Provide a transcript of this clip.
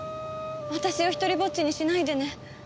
私を独りぼっちにしないでね。